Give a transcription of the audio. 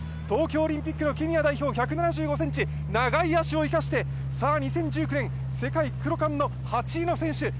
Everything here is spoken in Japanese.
東京オリンピックのケニア代表１７５ｃｍ、長い足を生かして、２０１９年、世界クロカンの８位の選手